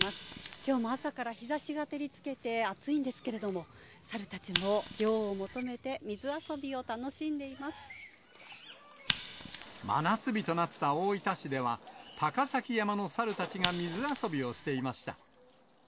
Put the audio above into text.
きょうも朝から日ざしが照りつけて暑いんですけれども、猿たちも涼を求めて、真夏日となった大分市では、高崎山の猿たちが水遊びをしていました。